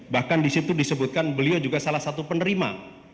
bahkan di situ disebutkan beliau juga salah satu penerima